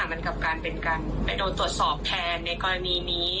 มันกับการเป็นการไปโดนตรวจสอบแทนในกรณีนี้